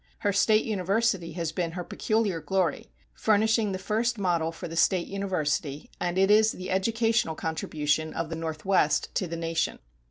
Her state university has been her peculiar glory, furnishing the first model for the state university, and it is the educational contribution of the Northwest to the nation.